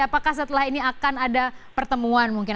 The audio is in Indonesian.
apakah setelah ini akan ada pertemuan mungkin